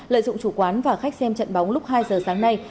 lợi dụng chủ quán và khách xem trận bóng lúc hai giờ sáng nay